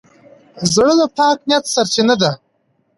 زړه د پاک نیت سرچینه ده.